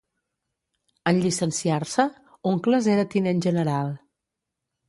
En llicenciar-se, Uncles era tinent general.